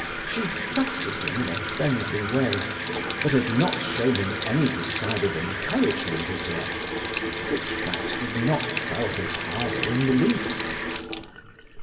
She trusted him in a friendly way, but had not shown him any decided encouragement as yet, which fact did not quell his ardour in the least.